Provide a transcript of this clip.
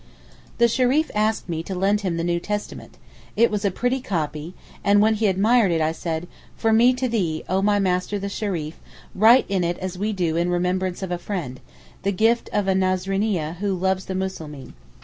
The Shereef asked me to lend him the New Testament, it was a pretty copy and when he admired it I said, 'From me to thee, oh my master the Shereef, write in it as we do in remembrance of a friend—the gift of a Nazraneeyeh who loves the Muslimeen.